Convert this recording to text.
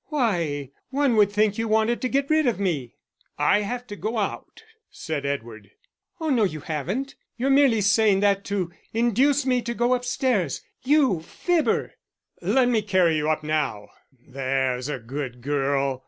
"Why, one would think you wanted to get rid of me!" "I have to go out," said Edward. "Oh no, you haven't you're merely saying that to induce me to go upstairs. You fibber!" "Let me carry you up now, there's a good girl."